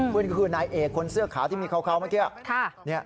เพื่อนก็คือนายเอกคนเสื้อขาวที่มีเขาเมื่อกี้